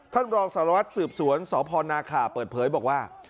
ท่านบริษัทสารวัติสืบสวนสพนาคาเปิดเผยบอกว่า